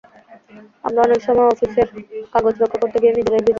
আমরা অনেক সময় অফিসের কাগজ রক্ষা করতে গিয়ে নিজেরাই ভিজে যাই।